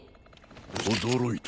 驚いた。